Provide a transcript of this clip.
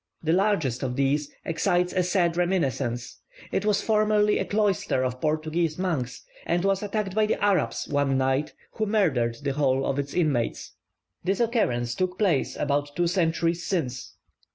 The largest of these excites a sad reminiscence: it was formerly a cloister of Portuguese monks, and was attacked by the Arabs one night, who murdered the whole of its inmates. This occurrence took place about two centuries since.